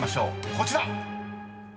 こちら！］